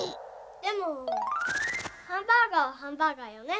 でもハンバーガーはハンバーガーよね？